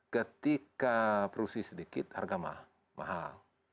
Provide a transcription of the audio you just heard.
ketika produksi sedikit harga mahal